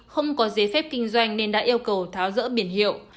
không có giấy phép kinh doanh nên đã yêu cầu tháo rỡ biển hiệu